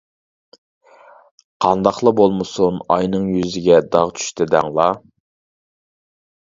-قانداقلا بولمىسۇن ئاينىڭ يۈزىگە داغ چۈشتى دەڭلار.